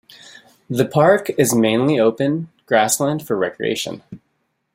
The park is mainly open grassland for recreation.